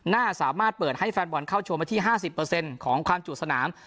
น่าสามารถเปิดให้แฟนบอลเข้าชมมาที่ห้าสิบเปอร์เซ็นต์ของความจุดสนาม